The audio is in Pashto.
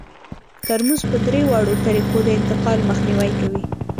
ترموز په درې واړو طریقو د انتقال مخنیوی کوي.